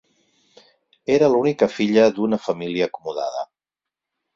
Era l'única filla d'una família acomodada.